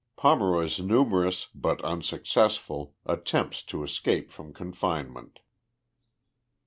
POMEROY'S NUMEROUS, HUT UNSUCCESSFUL, ATTEMPTS TO ESCAPE FROM CONFINEMENT.